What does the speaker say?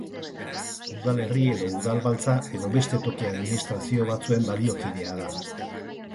Udalerri edo udalbatza edo beste toki administrazio batzuen baliokidea da.